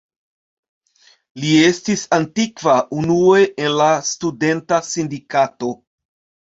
Li estis aktiva unue en la studenta sindikato.